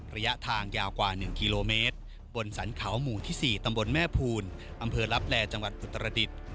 ระยะทางยาวกว่า๑กิโลเมตรบนสรรเขาหมู่ที่๔ตำบลแม่ภูลอำเภอลับแลจังหวัดอุตรดิษฐ์